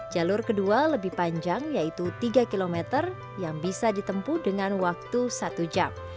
jalur kedua lebih panjang yaitu tiga km yang bisa ditempuh dengan waktu satu jam